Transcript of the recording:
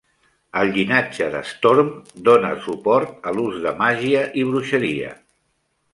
El llinatge de Storm dona suport a l'ús de màgia i bruixeria.